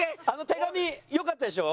手紙よかったでしょ？